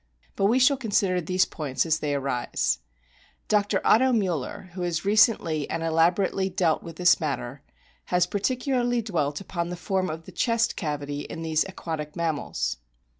But we shall con sider these points as they arise. Dr. Otto Muller, who has recently and elaborately dealt with this matter,* has particularly dwelt upon the form of the chest cavity in these aquatic mam mals.